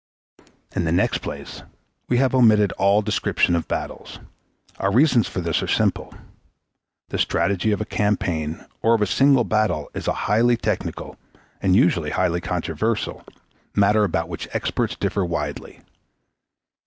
In the next place we have omitted all descriptions of battles. Our reasons for this are simple. The strategy of a campaign or of a single battle is a highly technical, and usually a highly controversial, matter about which experts differ widely.